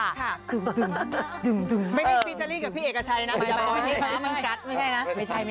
ไม่ใช่ฟิเจอรี่กับพี่เอกอาชัยนะ